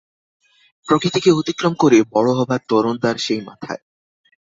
প্রকৃতিকে অতিক্রম করে বড়ো হবার তোরণদ্বার সেই মাথায়।